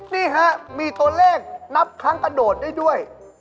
นี่ฮะมีตัวเลขนับครั้งกระโดดได้ด้วย